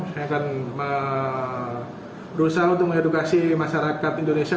saya akan berusaha untuk mengedukasi masyarakat indonesia